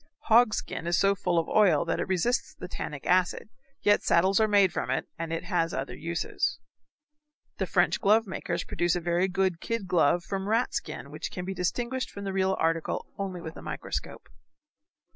Hog skin is so full of oil that it resists the tannic acid, yet saddles are made from it, and it has other uses. The French glove makers produce a very good kid glove from rat skin which can be distinguished from the real article only with a microscope.